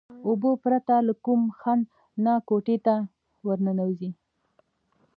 اوبه پرته له کوم خنډ نه کوټې ته ورننوتې.